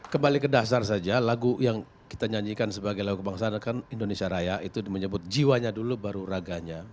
kembali ke dasar saja lagu yang kita nyanyikan sebagai lagu kebangsaan kan indonesia raya itu menyebut jiwanya dulu baru raganya